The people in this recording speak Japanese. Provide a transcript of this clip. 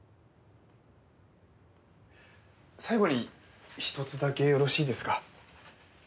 最後に１つだけよろしいですか？